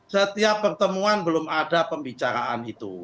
setiap pertemuan belum ada pembicaraan itu